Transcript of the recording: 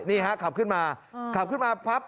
นี่ครับขับขึ้นมาขับขึ้นมาพับ